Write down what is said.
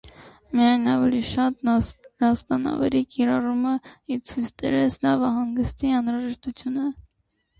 Միայն ավելի շատ լաստանավերի կիրառումը ի ցույց դրեց նավահանգստի անհրաժեշտությունը։